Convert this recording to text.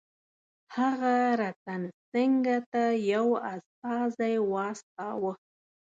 هغه رتن سینګه ته یو استازی واستاوه.